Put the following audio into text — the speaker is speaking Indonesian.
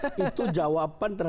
secara politik lahiriah batin ialah